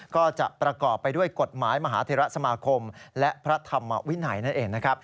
ก็จะประกอบไปด้วยกฎหมายมหาเทราสมาคมและพระธรรมวินัยนั่นเองนะครับ